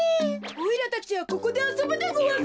おいらたちはここであそぶでごわす！